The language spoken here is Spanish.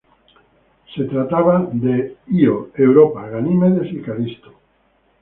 Se trataba de Ío, Europa, Ganímedes y Calisto.